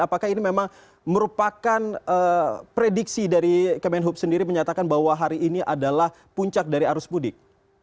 apakah ini memang merupakan prediksi dari kemenhub sendiri menyatakan bahwa hari ini adalah puncak dari arus mudik